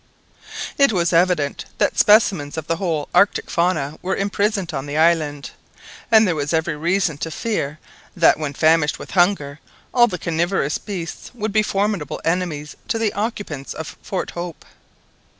It was evident that specimens of the whole Arctic Fauna were imprisoned on the island, and there was every reason to fear that, when famished with hunger, all the carnivorous beasts would be formidable enemies to the occupants of Fort Hope.